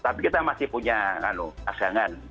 tapi kita masih punya dagangan